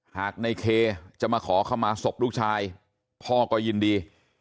หากในเคจะมาขอเข้ามาศพลูกชายพ่อก็ยินดี